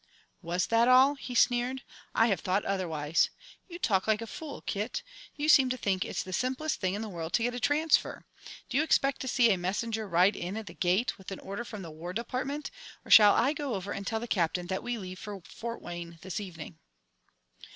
"Was that all?" he sneered. "I have thought otherwise. You talk like a fool, Kit. You seem to think it's the simplest thing in the world to get a transfer. Do you expect to see a messenger ride in at the gate, with an order from the War Department, or shall I go over and tell the Captain that we leave for Fort Wayne this evening?"